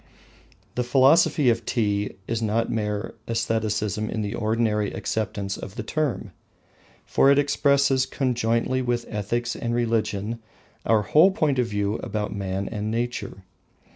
The Philosophy of Tea is not mere aestheticism in the ordinary acceptance of the term, for it expresses conjointly with ethics and religion our whole point of view about man and nature.